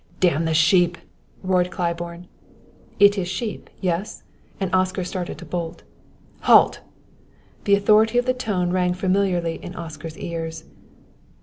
"Damn the sheep!" roared Claiborne. "It is sheep yes?" and Oscar started to bolt. "Halt!" The authority of the tone rang familiarly in Oscar's ears.